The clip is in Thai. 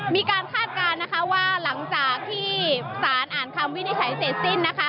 คาดการณ์นะคะว่าหลังจากที่สารอ่านคำวินิจฉัยเสร็จสิ้นนะคะ